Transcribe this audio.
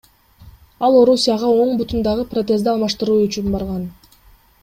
Ал Орусияга оң бутундагы протезди алмаштыруу үчүн барган.